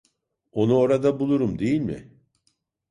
Onu orada bulurum değil mi?